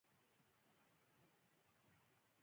هره ورځ لږ څه زده کړه، لویه پوهه ترلاسه کېږي.